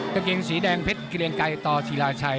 กางเกงสีแดงเพชรเกรียงไกรต่อศิลาชัย